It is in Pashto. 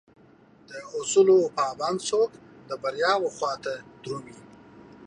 داصول پابند څوک دبریاوخواته درومي